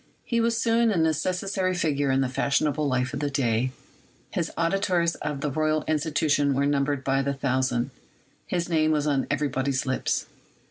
He was soon a necessary figure in the fashionable life of the day; his auditors at the Royal Institution were numbered by the thousand ; his name was on everybody's lips.